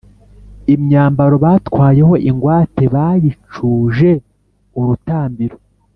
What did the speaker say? imyambaro batwaye ho ingwate bayicuje urutambiro,